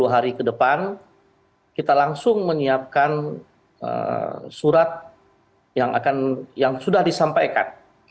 hari kedepan kita langsung menyiapkan surat yang akan yang sudah disampaikan kepada apa segda provinsi